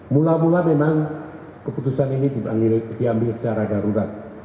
mula mula memang keputusan ini diambil secara darurat